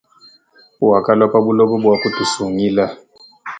Wakalwa pabuloba bu kutusungila.